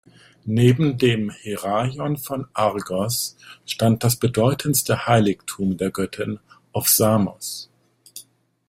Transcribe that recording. Neben dem Heraion von Argos stand das bedeutendste Heiligtum der Göttin auf Samos.